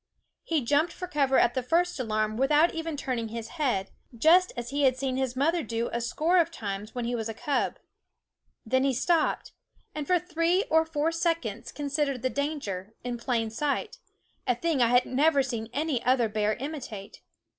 He jumped for cover at the first alarm without even turning his head, just as he had seen his mother do a score of times when he was a cub. Then he stopped, and THE WOODS for three or four seconds considered the danger, in plain sight a thing I have never u , w At seen any other bear imitate.